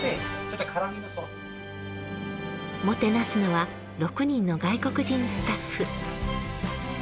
もてなすのは６人の外国人スタッフ。